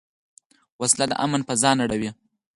وسله د امن فضا نړوي